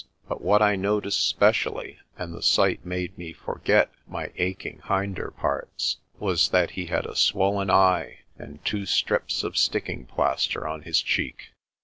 But what I noticed specially and the sight made me forget my aching hinder parts was that he had a swollen eye, and two strips of sticking plaster on his cheek.